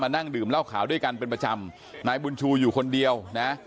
นั่งดื่มเหล้าขาวด้วยกันเป็นประจำนายบุญชูอยู่คนเดียวนะ